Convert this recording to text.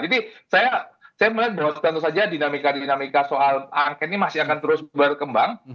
jadi saya melihat tentu saja dinamika dinamika soal angket ini masih akan terus berkembang